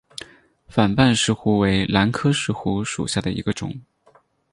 反瓣石斛为兰科石斛属下的一个种。